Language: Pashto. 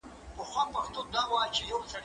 هغه څوک چي شګه پاکوي منظم وي،